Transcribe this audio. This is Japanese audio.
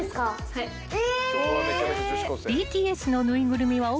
はい。え？